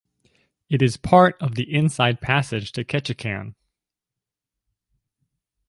It is part of the Inside Passage to Ketchikan.